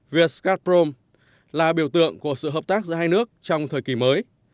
viet gafrom là biểu tượng của sự hợp tác giữa hai nước trong thời kỳ mới